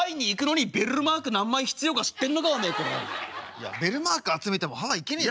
いやベルマーク集めてもハワイ行けねえだろ。